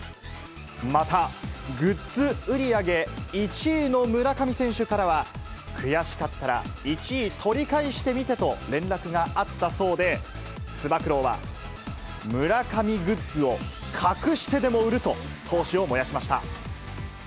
また、グッズ売り上げ１位の村上選手からは、悔しかったら１位取り返してみてと連絡があったそうで、つば九郎は、村上グッズを隠してでも売ると、闘志を燃やしました。